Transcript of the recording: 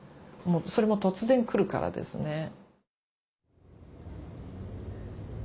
それも突然来るからですね。